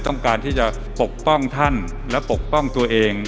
ต้องการที่จะปกป้องท่านและปกป้องตัวเอง